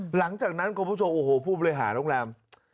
หลังจากนั้นก็พูดโชคโอ้โฮผู้บริหารโรงแรม